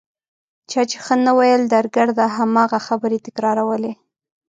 چا چې ښه نه ویل درګرده هماغه خبرې تکرارولې.